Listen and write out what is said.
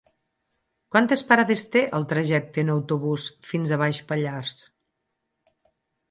Quantes parades té el trajecte en autobús fins a Baix Pallars?